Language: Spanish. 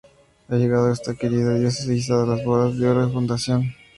Ha llegado esta querida diócesis a las bodas de oro de su fundación.